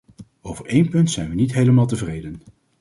Over één punt zijn we niet helemaal tevreden.